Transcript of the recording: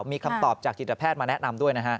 มีคำตอบจากจิตแพทย์มาแนะนำด้วยนะฮะ